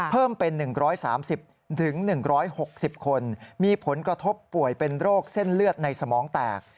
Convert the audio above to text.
เพิ่มเป็น๑๓๐๑๖๐คนมีผลกระทบป่วยเป็นโรคเส้นเลือดในสมองแตก